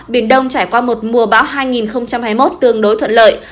biển đông trải qua một mùa bão hai nghìn hai mươi một tương đối thuận lợi